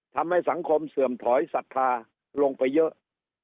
ทำให้สังคมเสื่อมถอยศรัทธาลงไปเยอะ